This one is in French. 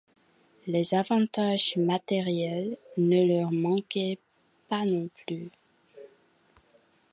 Les avantages matériels ne leur manquaient pas non plus.